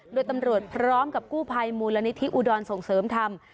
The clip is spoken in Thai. โดยตำรวจพร้อมกับกู้ภัยมูลนิธิอุดรส่งเสริมธรรม